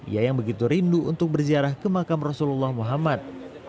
ia yang begitu rindu untuk berziarah ke makam rasulullah muhammad